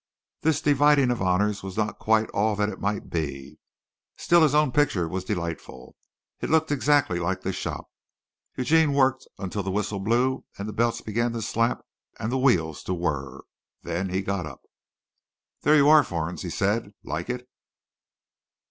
This dividing of honors was not quite all that it might be. Still his own picture was delightful. It looked exactly like the shop. Eugene worked until the whistle blew and the belts began to slap and the wheels to whirr. Then he got up. "There you are, Fornes," he said. "Like it?"